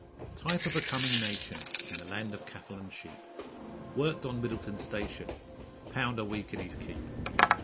Type of a coming nation, In the land of cattle and sheep, Worked on Middleton's station, 'Pound a week and his keep.'